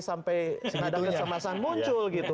sampai sekadar kecemasan muncul gitu